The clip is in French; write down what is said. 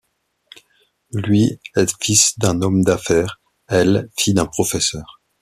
Lui est fils d'un homme d'affaires, elle, fille d'un professeur.